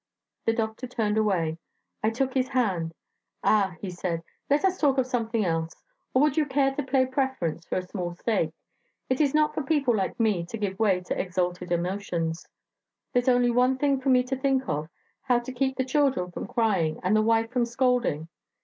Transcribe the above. '" The doctor turned away; I took his hand. "Ah!" he said, "let us talk of something else, or would you care to play preference for a small stake? It is not for people like me to give way to exalted emotions. There's only one thing for me to think of; how to keep the children from crying and the wife from scolding.